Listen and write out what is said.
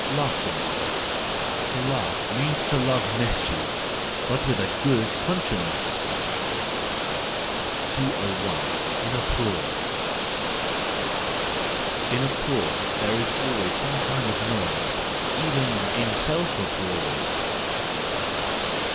Laughing ,—To laugh means to love mischie but with a good conscience. 201. In Applause. —In applause there is always som< kind of noise: even in self applause.